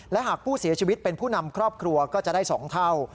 และหากผู้เสียชีวิตเป็นผู้นำครอบครัวก็จะได้๒เท่า